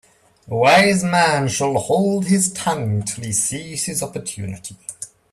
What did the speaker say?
A wise man shall hold his tongue till he sees his opportunity.